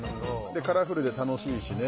でカラフルで楽しいしね。